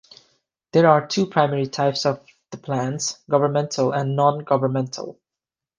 There are two primary types of the plans, governmental and non-governmental.